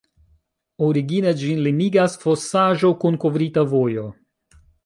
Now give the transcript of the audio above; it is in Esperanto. Origine ĝin limigas fosaĵo kun kovrita vojo.